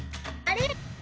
あれ！